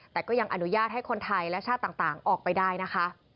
แต่ก็ยังอนุญาตให้คนไทยและชาติต่างออกไปได้นะคะ